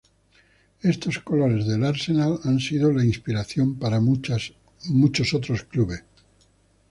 Estos colores del Arsenal han sido la inspiración para muchos otros clubes.